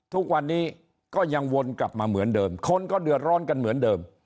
ทุกวันนี้ก็ยังวนกลับมาเหมือนเดิมคนก็เดือดร้อนกันเหมือนเดิม